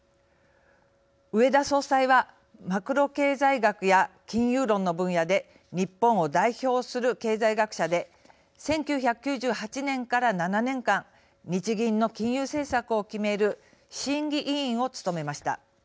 植田総裁はマクロ経済学や金融論の分野で日本を代表する経済学者で１９９８年から７年間日銀の金融政策を決める審議委員を務めました。